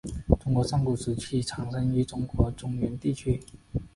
中国上古时期产生于中国中原地区。